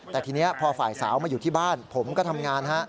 แต่ทีนี้พอฝ่ายสาวมาอยู่ที่บ้านผมก็ทำงานฮะ